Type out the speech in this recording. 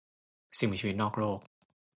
สิ่งมีชีวิตนอกโลก